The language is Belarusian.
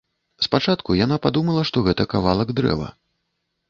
Спачатку яна падумала, што гэта кавалак дрэва.